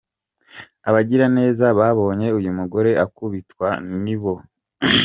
Abagira neza babonye uyu mugore akubitwa nibo.